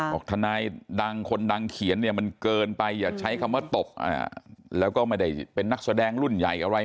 บอกทนายดังคนดังเขียนเนี่ยมันเกินไปอย่าใช้คำว่าตบแล้วก็ไม่ได้เป็นนักแสดงรุ่นใหญ่อะไร